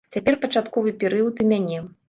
Цяпер пачатковы перыяд у мяне.